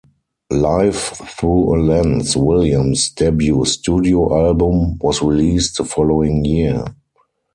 "Life thru a Lens", Williams' debut studio album, was released the following year.